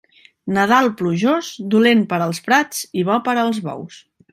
Nadal plujós, dolent per als prats i bo per als bous.